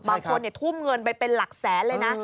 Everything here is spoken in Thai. บางคนทุ่มเงินไปเป็นหลักแสนเลยนะ